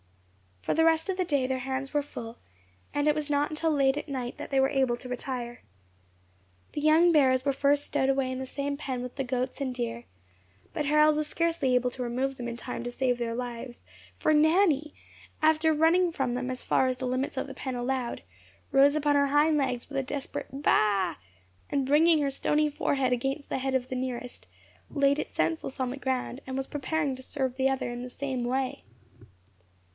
For the rest of the day their hands were full; and it was not until late at night that they were able to retire. The young bears were first stowed away in the same pen with the goats and deer, but Harold was scarcely able to remove them in time to save their lives; for Nanny, after running from them as far as the limits of the pen allowed, rose upon her hind legs with a desperate baa! and bringing her stony forehead against the head of the nearest, laid it senseless on the ground, and was preparing to serve the other in the same way.